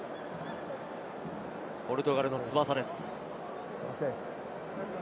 ポルトガルの翼です。